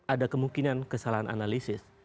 ada kemungkinan kesalahan analisis